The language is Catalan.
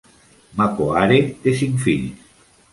Makoare té cinc fills.